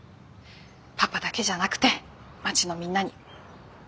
パパだけじゃなくて町のみんなに。